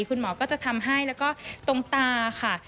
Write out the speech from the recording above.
คุณหมอก็จะทำให้แล้วก็ตรงตาค่ะ